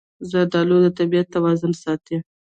زردالو د طبیعت توازن ساتي.